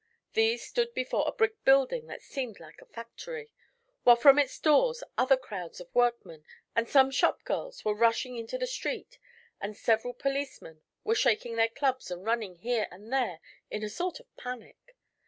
These stood before a brick building that seemed like a factory, while from its doors other crowds of workmen and some shopgirls were rushing into the street and several policemen were shaking their clubs and running here and there in a sort of panic.